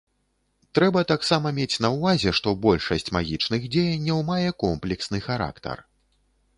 Трэба таксама мець на ўвазе, што большасць магічных дзеянняў мае комплексны характар.